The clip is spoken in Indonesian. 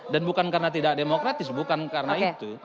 dan bukan karena tidak demokratis bukan karena itu